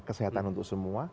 kesehatan untuk semua